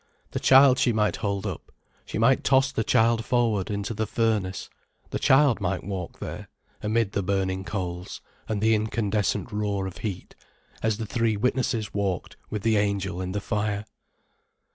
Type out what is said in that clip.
The child she might hold up, she might toss the child forward into the furnace, the child might walk there, amid the burning coals and the incandescent roar of heat, as the three witnesses walked with the angel in the fire.